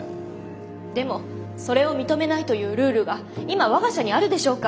でもそれを認めないというルールが今我が社にあるでしょうか？